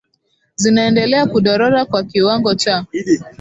zinaendelea kudorora kwa kiwango cha